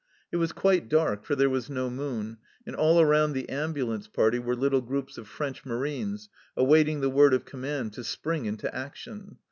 It was quite dark, for there was no moon, and all around the ambu lance party were little groups of French marines awaiting the word of command to spring into action.